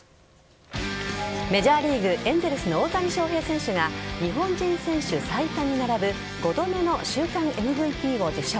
メジャーリーグエンゼルスの大谷翔平選手が日本人選手最多に並ぶ５度目の週間ＭＶＰを受賞。